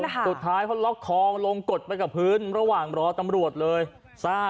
สุดท้ายเขาล็อกคองลงกดไปกับพื้นระหว่างรอตำรวจเลย